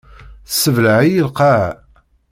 Tessebleɛ-iyi lqaɛa.